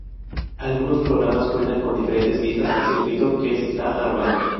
Algunos programas cuentan con diferentes vistas al circuito que se está armando.